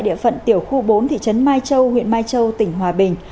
địa phận tiểu khu bốn thị trấn mai châu huyện mai châu tỉnh hòa bình